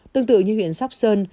tương tự như huyện sóc sơn